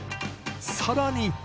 さらに。